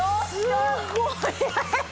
すごい。